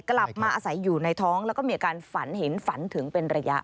กลับมาอาศัยอยู่ในท้องแล้วก็มีอาการฝันเห็นฝันถึงเป็นระยะ